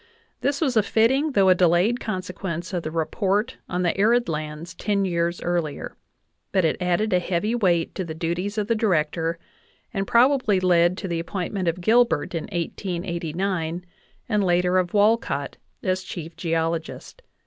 This was a fitting though a delayed consequence of the report on the arid lands ten years earlier; but it added a heavy weight to the duties of the Director, and probably led to the appoint ment of Gilbert in 1889, and later of Walcott, as chief geolo gist.